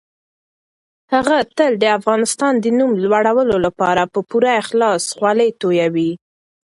هغه تل د افغانستان د نوم لوړولو لپاره په پوره اخلاص خولې تويوي.